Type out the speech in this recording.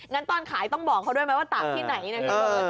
งั้นตอนขายต้องบอกเขาด้วยไหมว่าตากที่ไหนเนี่ย